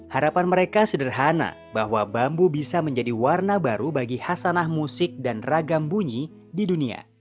harapan mereka sederhana bahwa bambu bisa menjadi warna baru bagi hasanah musik dan ragam bunyi di dunia